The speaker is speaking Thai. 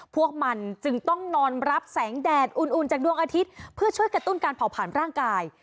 พวกมันจึงต้องนอนรับแสงแดดอุ่นจากดวงอาทิตย์เพื่อช่วยกระตุ้นการเผาผ่านร่างกาย